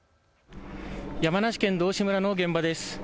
山梨県道志村の現場です。